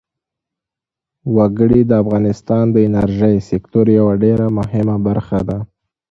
وګړي د افغانستان د انرژۍ سکتور یوه ډېره مهمه برخه ده.